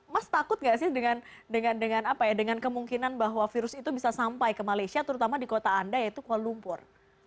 mas takut nggak sih dengan kemungkinan bahwa virus itu bisa sampai ke malaysia terutama di kota anda yaitu kuala lumpur